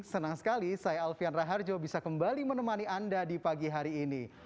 senang sekali saya alfian raharjo bisa kembali menemani anda di pagi hari ini